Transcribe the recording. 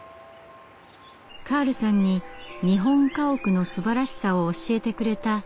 カールさんに日本家屋のすばらしさを教えてくれた建物です。